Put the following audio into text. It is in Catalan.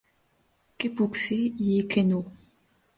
Què puc fer i que no?